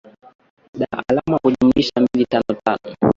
da alama ya kujumlisha mbili tano tano